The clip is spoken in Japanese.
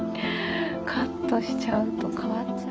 カットしちゃうと変わっちゃう。